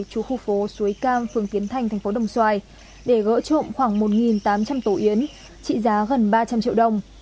chú khu phố suối cam phường kiến thành thành phố đồng xoài để gỡ trộm khoảng một tám trăm linh tổ yến trị giá gần ba trăm linh triệu đồng